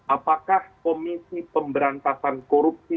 apakah komisi pemberantasan korupsi